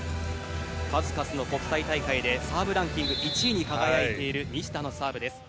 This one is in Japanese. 数々の国際大会でサーブランキング１位に輝いている西田のサーブです。